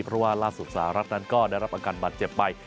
เพราะว่าล่าสุดสหรัฐนั้นก็ได้รับอาการบาดเจ็บไป